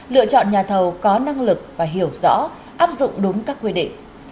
lựa chọn nhà thầu có năng lực và hiểu rõ áp dụng đúng các quy định